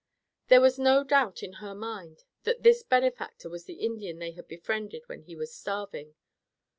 There was no doubt in her mind that this benefactor was the Indian they had befriended when he was starving.